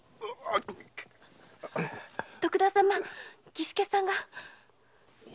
徳田様儀助さんが。